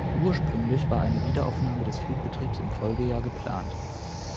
Ursprünglich war eine Wiederaufnahme des Flugbetriebs im Folgejahr geplant.